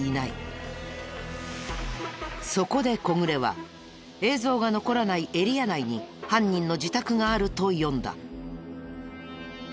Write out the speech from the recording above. そこで小暮は映像が残らないエリア内に犯人の自宅があると読んだ。